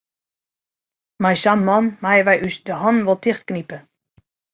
Mei sa'n man meie wy ús de hannen wol tichtknipe.